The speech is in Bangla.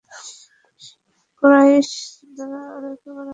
কোরাইশরা আরেকবার আক্রমণের সুযোগ খুঁজছিল।